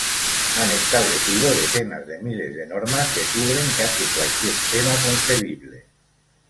Han establecido decenas de miles de normas que cubren casi cualquier tema concebible.